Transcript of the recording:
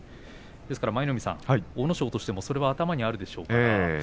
ですから阿武咲としてもそれは頭にあるでしょうね。